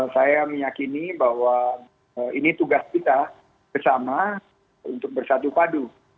saya meyakini bahwa ini tugas kita bersama untuk bersatu padu